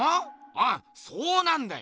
あっそうなんだよ！